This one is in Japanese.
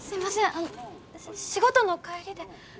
あの仕事の帰りで。